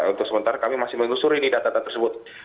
untuk sementara kami masih mengusur ini data data tersebut